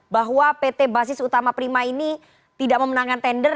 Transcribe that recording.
bahwa pt basis utama prima ini tidak memenangkan tender